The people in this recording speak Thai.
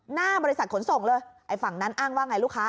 หน้าบริษัทขนส่งเลยไอ้ฝั่งนั้นอ้างว่าไงลูกค้า